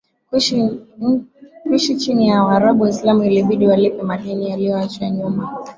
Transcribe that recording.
kuishi chini ya Waarabu Waislamu Ilibidi walipe madeni yaliyoachwa nyuma